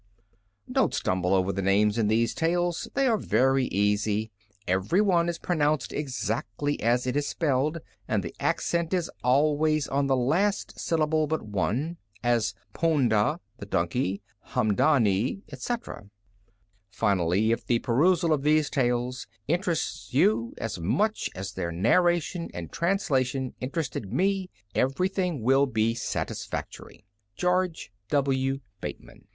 Don't stumble over the names in these tales; they are very easy. Every one is pronounced exactly as it is spelled, and the accent is always on the last syllable but one; as, Poon'dah, the donkey; Haam daa'nee, etc. Finally, if the perusal of these tales interests you as much as their narration and translation interested me, everything will be satisfactory. GEORGE W. BATEMAN.